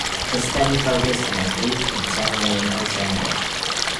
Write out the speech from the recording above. The study focused on an eight and ten-lane alternative.